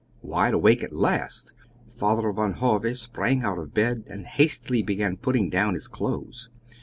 Wide awake at last, Father Van Hove sprang out of bed and hastily began putting down his clothes.